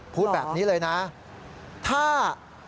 พูดแบบนี้เลยนะ